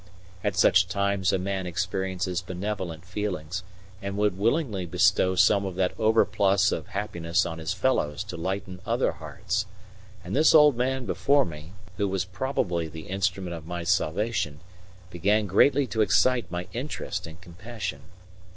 At such times a man experiences benevolent feelings, and would willingly bestow some of that overplus of happiness on his fellows to lighten other hearts; and this old man before me, who was probably the instrument of my salvation, began greatly to excite my interest and compassion.